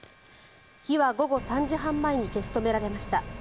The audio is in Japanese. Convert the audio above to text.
火は午後３時半前に消し止められました。